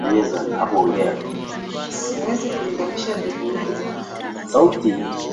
Siwezi kulinganisha vitu hivi